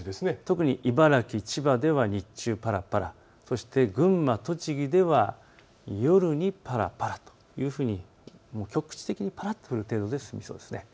特に茨城、千葉では日中ぱらぱら、そして群馬、栃木では夜にぱらぱらというふうに局地的にぱらっと降る程度で済みそうです。